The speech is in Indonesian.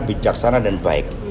bijaksana dan baik